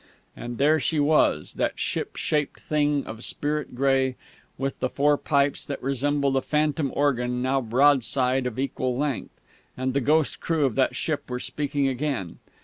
And there she was, that ship shaped thing of spirit grey, with the four pipes that resembled a phantom organ now broadside and of equal length. And the ghost crew of that ship were speaking again....